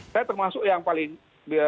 saya termasuk yang paling